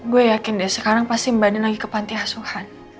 gue yakin deh sekarang pasti mbak den lagi ke panti asuhan